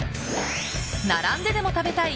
並んででも食べたい！